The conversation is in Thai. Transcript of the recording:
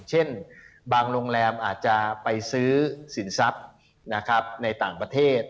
เช่นบางโรงแรมอาจจะไปซื้อสินทรัพย์ในต่างประเทศ